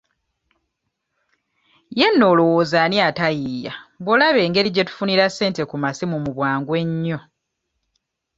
Ye nno olowooza ani ataayiiya bw'olaba engeri gye tufunira ssente ku masimu mu bwangu ennyo.